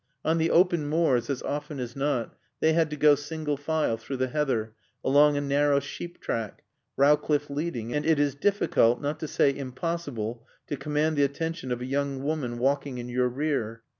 On the open moors, as often as not, they had to go single file through the heather, along a narrow sheep track, Rowcliffe leading; and it is difficult, not to say impossible, to command the attention of a young woman walking in your rear.